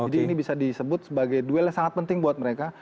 jadi ini bisa disebut sebagai duel yang sangat penting buat mereka